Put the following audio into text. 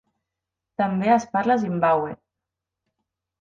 També es parla a Zimbàbue.